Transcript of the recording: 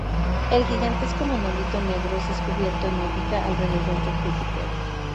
El gigantesco monolito negro es descubierto en órbita alrededor de Júpiter.